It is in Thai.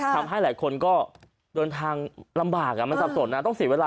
ทำให้หลายคนก็เดินทางลำบากมันสับสนนะต้องเสียเวลา